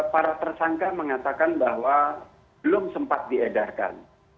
para tersangka mengatakan bahwa belum sempat diedarkan